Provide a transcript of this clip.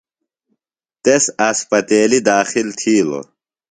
تس اسپتیلیۡ داخل تِھیلوۡ۔